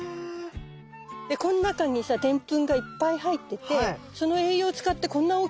でこの中にさでんぷんがいっぱい入っててその栄養を使ってこんな大きな芽生えになったの。